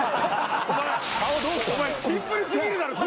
お前シンプル過ぎるだろ。